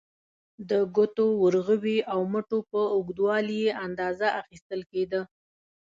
د ګوتو، ورغوي او مټو په اوږدوالي یې اندازه اخیستل کېده.